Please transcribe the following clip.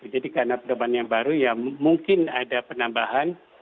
jadi karena perdeman yang baru ya mungkin ada penambahan